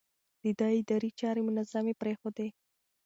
ده د ادارې چارې منظمې پرېښودې.